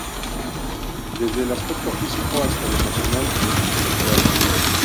Desde el aspecto físico hasta el emocional y el intelectual.